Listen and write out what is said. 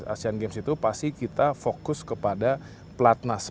asean games itu pasti kita fokus kepada pelatih nasional